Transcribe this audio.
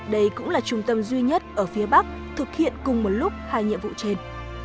đây cũng là trung tâm duy nhất ở phía bắc thực hiện cùng một lúc hai nhiệm vụ trên